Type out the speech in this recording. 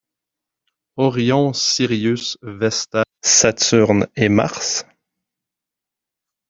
Orion, Sirius, Vesta, Saturne et Mars ?